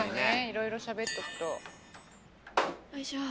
［いろいろしゃべっとくと。］よいしょ。